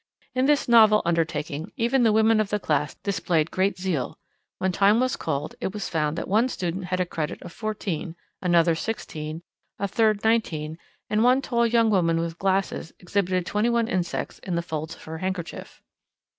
In this novel undertaking even the women of the class displayed great zeal. When time was called it was found that one student had a credit of fourteen, another sixteen, a third nineteen, and one tall young woman with glasses exhibited twenty one insects in the folds of her handkerchief.